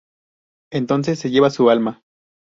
Entonces se lleva su alma.